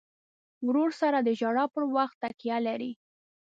ورور سره د ژړا پر وخت تکیه لرې.